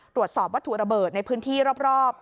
ตรวจสอบวัตถุระเบิดในพื้นที่รอบ